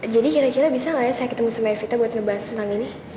jadi kira kira bisa gak ya saya ketemu sama evita buat ngebahas tentang ini